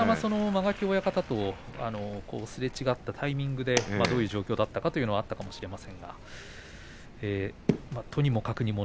間垣親方とすれ違ったタイミングでどういう状況だったかというのもあるかもしれませんがとにもかくにも